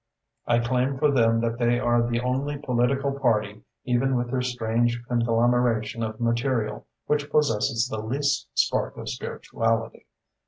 I claim for them that they are the only political party, even with their strange conglomeration of material, which possesses the least spark of spirituality.